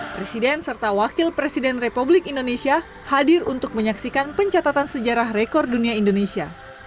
presiden serta wakil presiden republik indonesia hadir untuk menyaksikan pencatatan sejarah rekor dunia indonesia